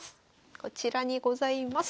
こちらにございます。